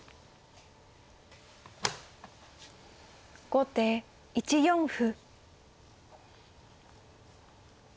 後手１四歩。